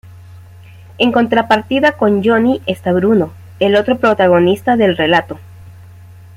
En contrapartida con Johnny está Bruno, el otro protagonista del relato.